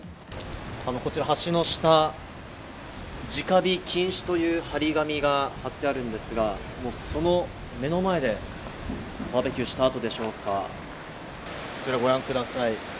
こちら橋の下、直火禁止という張り紙が貼ってあるんですが、その目の前でバーベキューした後でしょうか、こちらをご覧ください。